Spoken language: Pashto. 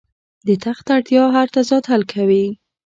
د تخت اړتیا هر تضاد حل کوي.